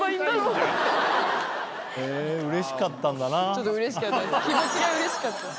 ちょっとうれしかったです。